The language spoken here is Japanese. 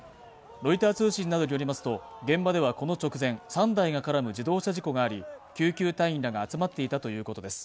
ロイター通信によりますと、現場ではこの直前、３台が絡む自動車事故があり、救急隊員らが集まっていたということです。